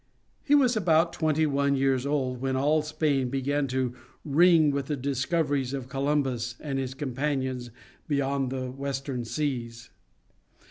He was about twenty one years old when all Spain began to ring with the discoveries of Columbus and his companions beyond the western seas.